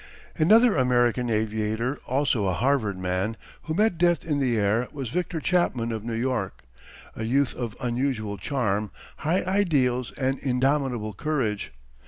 Another American aviator, also a Harvard man, who met death in the air, was Victor Chapman of New York, a youth of unusual charm, high ideals, and indomitable courage.